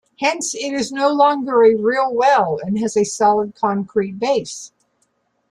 Hence it is no longer a real well, and has a solid concrete base.